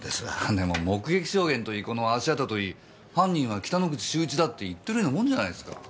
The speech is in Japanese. でも目撃証言といいこの足跡といい犯人は北之口秀一だって言ってるようなもんじゃないですか。